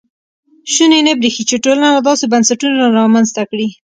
شونې نه برېښي چې ټولنه داسې بنسټونه رامنځته کړي.